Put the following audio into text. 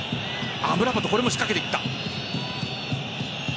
アムラバトこれも仕掛けていった。